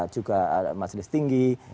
juga mas riz tinggi